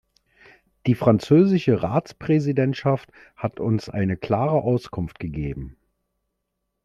Die französische Ratspräsidentschaft hat uns eine klare Auskunft gegeben.